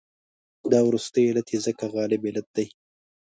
دا وروستی علت یې ځکه غالب علت دی.